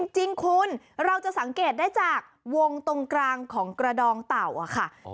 จริงคุณเราจะสังเกตได้จากวงตรงกลางของกระดองเต่าค่ะ